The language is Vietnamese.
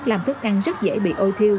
làm thức ăn rất dễ bị ôi thiêu